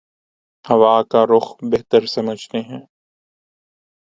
ہوا کا رخ بہتر سمجھتے ہیں۔